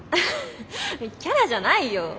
フッキャラじゃないよ。